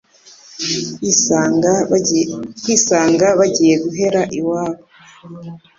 kwisanga bagiye guhera iwabo